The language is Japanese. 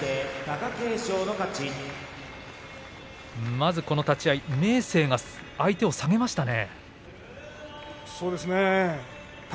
まず立ち合い明生が相手を下げましたね。